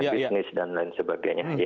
bisnis dan lain sebagainya